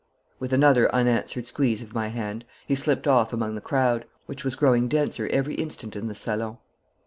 With another unanswered squeeze of my hand, he slipped off among the crowd, which was growing denser every instant in the salon.